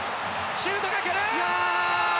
シュートがくる！